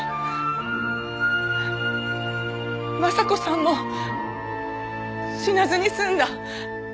昌子さんも死なずに済んだ。